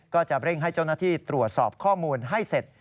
ก็จะเร่งให้เจ้าหน้าที่ตรวจสอบข้อมูลให้เสร็จ